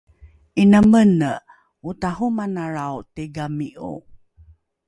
’ina mene otahomanalrao tigami’o